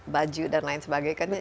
baju dan lain sebagainya